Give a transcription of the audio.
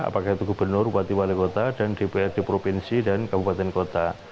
apakah itu gubernur wali kota dan dpr di provinsi dan kabupaten kota